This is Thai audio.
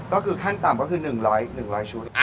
ก็คือขั้นต่ำก็คือ๑๐๐ชุด